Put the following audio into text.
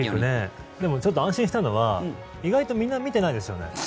ちょっと安心したのは意外とみんな見てないですよね。